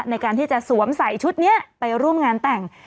ในการที่จะสวมใส่ชุดนี้ไปร่วมงานแต่ง